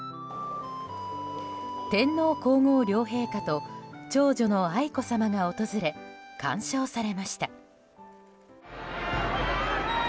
天皇・皇后両陛下と長女の愛子さまが訪れ鑑賞されました。